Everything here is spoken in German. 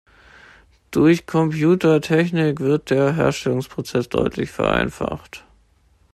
Durch Computertechnik wird der Herstellungsprozess deutlich vereinfacht.